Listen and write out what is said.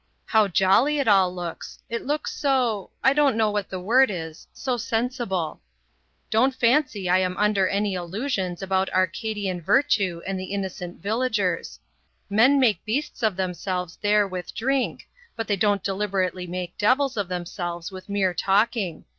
How jolly it all looks. It looks so I don't know what the word is so sensible. Don't fancy I'm under any illusions about Arcadian virtue and the innocent villagers. Men make beasts of themselves there with drink, but they don't deliberately make devils of themselves with mere talking.